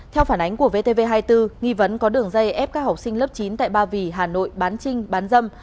theo phản ánh của vtv hai mươi bốn nghi vấn có đường dây ép các học sinh lớp chín tại ba vì hà nội bán trinh bán dâm